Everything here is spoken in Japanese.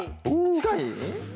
近い？